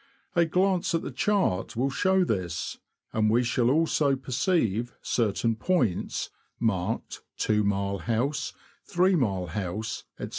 A glance at the chart will show this, and we shall also perceive certain points, marked "2 mile house," ''3 mile house, ''' &c.